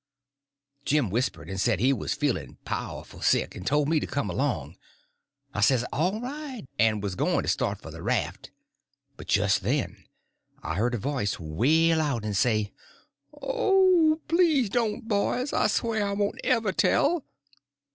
Jim whispered and said he was feeling powerful sick, and told me to come along. I says, all right, and was going to start for the raft; but just then I heard a voice wail out and say: "Oh, please don't, boys; I swear I won't ever tell!"